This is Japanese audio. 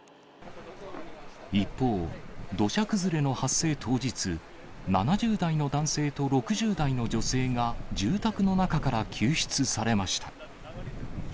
一方、土砂崩れの発生当日、７０代の男性と６０代の女性が住宅の中から救出されました。